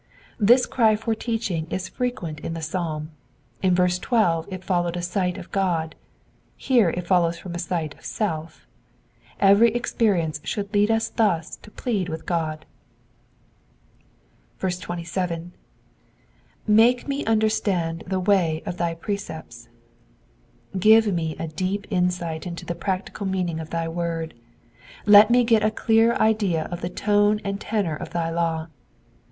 This cry for teaching is frequent in the Psalm ; in verse 12 it followed a sight of God, here it follows from a sight of self. Every experience should lead us thus to plead with God. 27. ''''Make me to understand the way of thy precepts.^ ^ Give me a deep insight into the practical meaning of thy word ; let me get a clear idea of the tone and tenor of thy law.